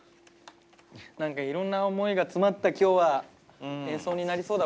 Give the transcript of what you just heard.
何かいろんな思いが詰まった今日は演奏になりそうだ